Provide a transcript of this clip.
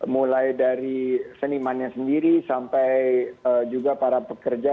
mulai dari seniman yang sendiri sampai juga para pekerja